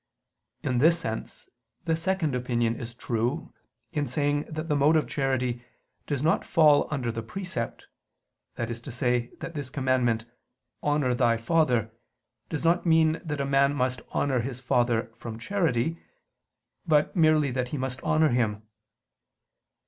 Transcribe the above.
In this sense the second opinion is true in saying that the mode of charity does not fall under the precept, that is to say that this commandment, "Honor thy father," does not mean that a man must honor his father from charity, but merely that he must honor him.